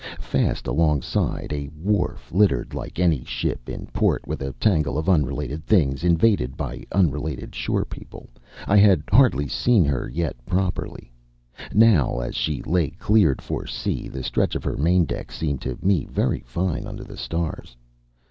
Fast alongside a wharf, littered like any ship in port with a tangle of unrelated things, invaded by unrelated shore people, I had hardly seen her yet properly. Now, as she lay cleared for sea, the stretch of her main deck seemed to me very fine under the stars.